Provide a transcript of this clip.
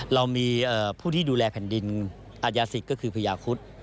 เรามีผู้ที่ดูแลแผ่นดินอัธยาศิษฐ์ก็คือพญาคุศ